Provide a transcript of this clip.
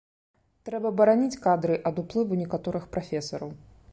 Трэба бараніць кадры ад уплыву некаторых прафесараў.